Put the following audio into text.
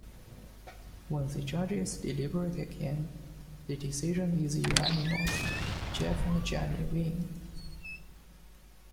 When the judges deliberate again, the decision is unanimous: Jeff and Janey win!